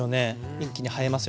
一気に映えますよね。